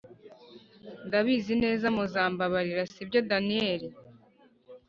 ndabizi neza muzambababrira, sibyo daniel!!’